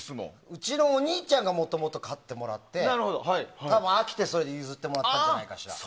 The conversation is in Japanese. うちのお兄ちゃんがもともと買ってもらって飽きて譲ってもらったんじゃないかしら。